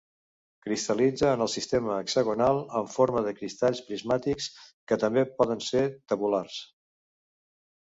Cristal·litza en el sistema hexagonal en forma de cristalls prismàtics, que també poden ser tabulars.